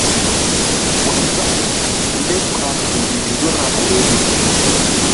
Waazap mí ɓa mbih nzo na woyri.